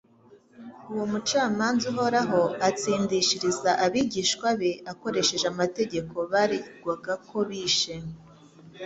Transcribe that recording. Uwo Mucamanza uhoraho atsindishiriza abigishwa be akoresheje amategeko baregwaga ko bishe.